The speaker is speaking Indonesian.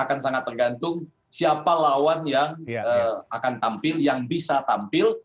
akan sangat tergantung siapa lawan yang akan tampil yang bisa tampil